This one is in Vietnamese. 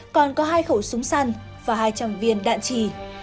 còn có hai khẩu súng săn và hai trăm linh viên đạn trì